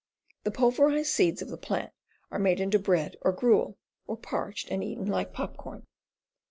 The pulverized seeds of the plant are made into bread or gruel, or parched and eaten like popcorn.